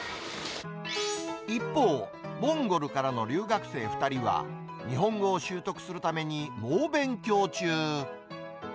一方、モンゴルからの留学生２人は、日本語を習得するために猛勉強中。